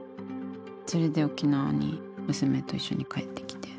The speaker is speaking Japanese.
それで沖縄に娘と一緒に帰ってきて。